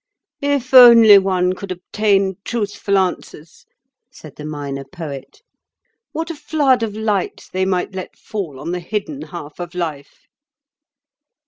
"If only one could obtain truthful answers," the Minor Poet, "what a flood of light they might let fall on the hidden half of life!"